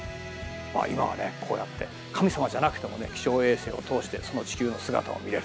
まあ今はねこうやって神様じゃなくても気象衛星を通してその地球の姿を見れる。